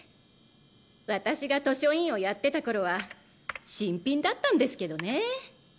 私が図書委員をやってた頃は新品だったんですけどね。